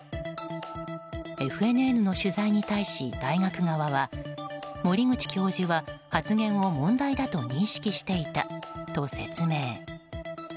ＦＮＮの取材に対し、大学側は守口教授は発言を問題だと認識していたと説明。